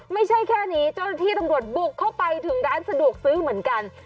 ไม่ใช่แค่นี้เจ้าหน้าที่ตำรวจบุกเข้าไปถึงร้านสะดวกซื้อเหมือนกัน